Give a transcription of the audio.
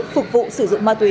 phục vụ và tìm nguồn ma túy